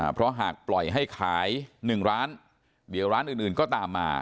เพราะหากปล่อยให้ขาย๑ร้านเดี๋ยวร้านอื่นก็ตามมา